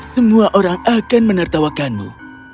semua orang akan menertawakanmu